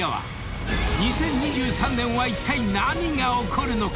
［２０２３年はいったい何が起こるのか⁉］